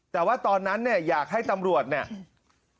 แต่ว่าตอนนั้นเนี่ยอยากให้ตำรวจเนี่ย